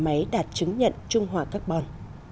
nhà máy đã chứng nhận trung hòa carbon